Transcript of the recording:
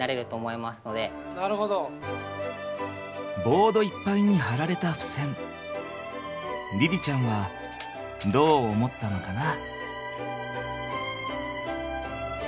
ボードいっぱいに貼られたふせん凛々ちゃんはどう思ったのかな？